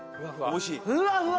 ・おいしい？